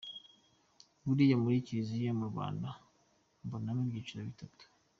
Buriya muri Kiliziya mu Rwanda mbonamo ibyiciro bitatu.